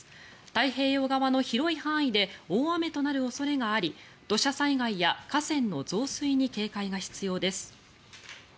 太平洋側の広い範囲で大雨となる恐れがあり土砂災害や河川の増水に警戒が必要です。